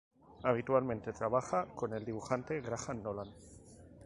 Habitualmente trabaja con el dibujante Graham Nolan.